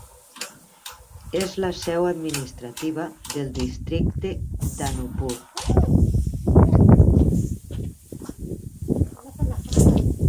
És la seu administrativa del districte d'Anuppur.